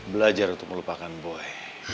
belajar untuk melupakan boy